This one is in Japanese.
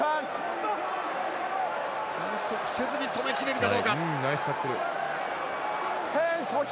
反則せずに止めきれるか。